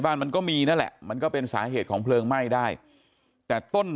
มันก็มีนั่นแหละมันก็เป็นสาเหตุของเพลิงไหม้ได้แต่ต้น